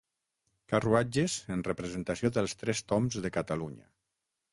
Carruatges en representació dels Tres Tombs de Catalunya.